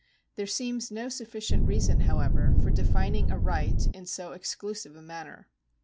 There seems no sufficient reason, however, for defining a right in so exclusive a manner.